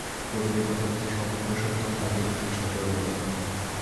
নবীনের কথাটা যে সম্পূর্ণ সত্য তাতে একটুও সন্দেহ রইল না।